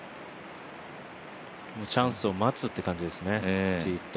チャンスを待つって感じですね、じっと。